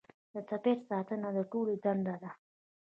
د طبیعت ساتنه د ټولو دنده ده